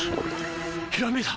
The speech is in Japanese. ひらめいた！